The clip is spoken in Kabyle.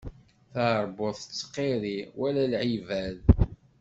Taṛbut tettqiṛṛi, wala lɛibad.